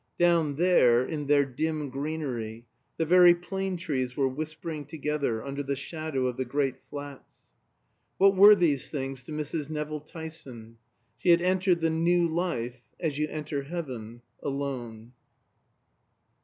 Down there, in their dim greenery, the very plane trees were whispering together under the shadow of the great flats. What were these things to Mrs. Nevill Tyson? She had entered the New Life, as you enter heaven, alone.